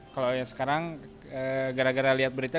kalau yang sekarang gara gara lihat berita